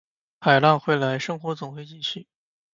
海浪会来，生活总会继续